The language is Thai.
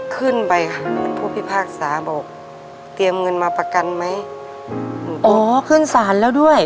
ขึ้นไปค่ะผู้พิพากษาบอกเตรียมเงินมาประกันไหมอ๋อขึ้นศาลแล้วด้วย